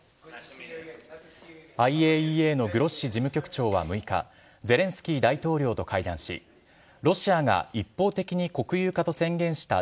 ＩＡＥＡのグロッシ事務局長は６日ゼレンスキー大統領と会談しロシアが一方的に国有化と宣言した